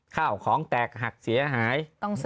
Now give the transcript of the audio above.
ข้าวของแตกหักเสียหาย